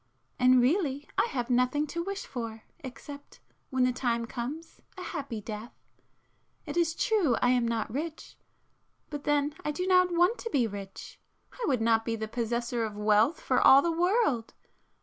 And really I have nothing to wish for,—except—when the time comes—a happy death. It is true I am not rich,—but then I do not want to be rich. I would not be the possessor of wealth for all the world!